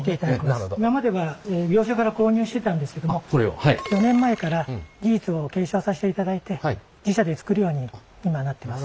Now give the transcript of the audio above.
今までは業者から購入してたんですけども４年前から技術を継承させていただいて自社で作るように今なってます。